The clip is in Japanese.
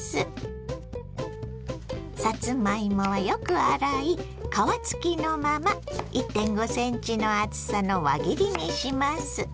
さつまいもはよく洗い皮付きのまま１．５ｃｍの厚さの輪切りにします。